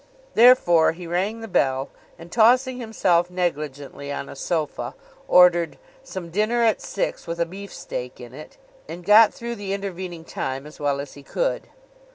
Therefore he rang the bell, and tossing himself negligently on a sofa, ordered 'Some dinner at six—with a beefsteak in it,' and got through the intervening time as well as he could.